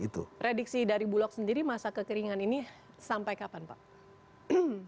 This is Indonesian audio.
prediksi dari bulog sendiri masa kekeringan ini sampai kapan pak